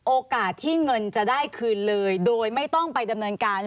โอกาสที่เงินจะได้คืนเลยโดยไม่ต้องไปดำเนินการ